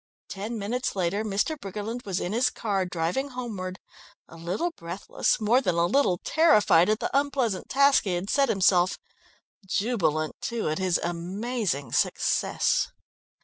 Ten minutes later Mr. Briggerland was in his car driving homeward, a little breathless, more than a little terrified at the unpleasant task he had set himself; jubilant, too, at his amazing success.